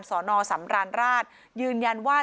สอนอสำราญราชยืนยันว่า